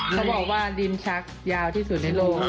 เขาบอกว่าริมชักยาวที่สุดในโลก